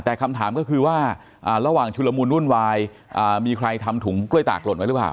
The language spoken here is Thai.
แต่คำถามก็คือว่าระหว่างชุลมูลวุ่นวายมีใครทำถุงกล้วยตากหล่นไว้หรือเปล่า